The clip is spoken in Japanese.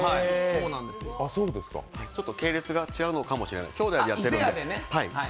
ちょっと系列が違うのかもしれない、きょうだいでやってるので。